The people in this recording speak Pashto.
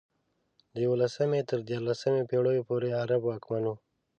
د یولسمې تر دیارلسمې پېړیو پورې عرب واکمن وو.